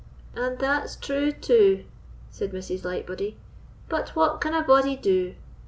"And that's true too," said Mrs. Lightbody, "but what can a body do?